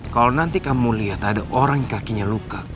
kalau nanti kamu lihat ada orang kakinya luka